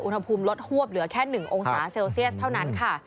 อุณหภูมิลดฮวบเหลือแค่๑องศาเซลเซียสเท่านั้นค่ะ